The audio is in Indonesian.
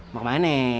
mau kemana nih